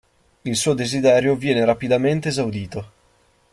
Il suo desiderio viene rapidamente esaudito.